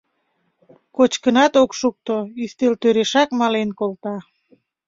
Кочкынат ок шукто — ӱстелтӧрешак мален колта.